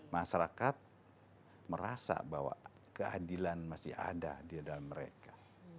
masyarakat merasa bahwa keadilan masih ada di dalam mereka